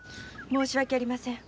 申し訳ありません。